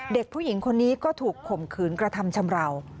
เด็กผู้หญิงคนนี้ก็ถูกข่มขืนกระทำชำราว